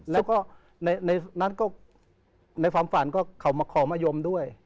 แล้วก็ในฝันก็ขอมะยมด้วย